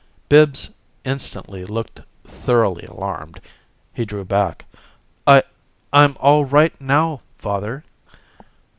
Bibbs instantly looked thoroughly alarmed. He drew back. "I I'm all right now, father."